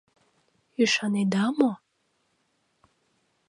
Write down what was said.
Ӱшанеда мо?